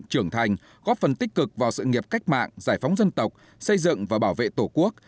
trưởng thành góp phần tích cực vào sự nghiệp cách mạng giải phóng dân tộc xây dựng và bảo vệ tổ quốc